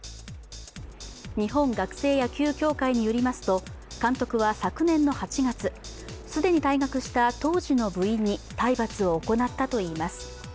日本学生野球協会によりますと監督は昨年の８月、既に退学した当時の部員に体罰を行ったといいます。